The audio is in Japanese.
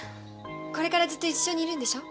これからずっと一緒にいるんでしょう？